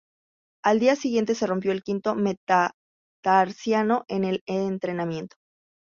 Al día siguiente se rompió el quinto metatarsiano en el entrenamiento.